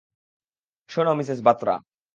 শোন, মিসেস বাতরা!